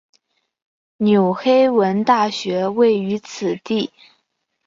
纽黑文大学位于此地。